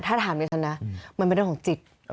ถ้าถามดิฉันนะมันเป็นเรื่องของจิต